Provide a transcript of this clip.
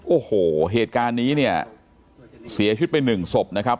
โอ้โหเหตุการณ์นี้เนี่ยเสียชุดไป๑ศพนะครับ